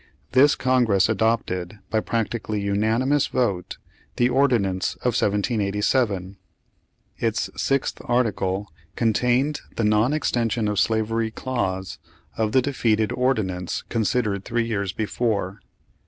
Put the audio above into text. This Congress adopted, by practically unanimous vote, the Ordinance of 1787. Its sixth article contained the non extension of slavery clause, of the defeated ordinance considered three years be fore.